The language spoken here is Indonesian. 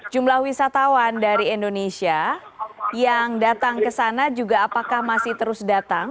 jumlah wisatawan dari indonesia yang datang ke sana juga apakah masih terus datang